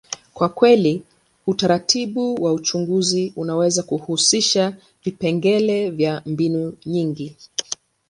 kwa kweli, utaratibu wa uchunguzi unaweza kuhusisha vipengele vya mbinu nyingi.